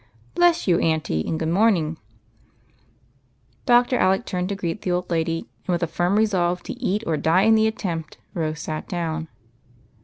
Bless you, auntie, and good morning !" Dr. Alec turned to greet the old lady, and, with a firm resolve to eat or die in the attempt. Rose sat down.